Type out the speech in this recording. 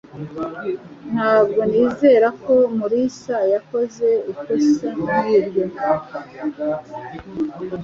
Ntabwo nizera ko Mulisa yakoze ikosa nk'iryo.